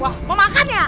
wah mau makan ya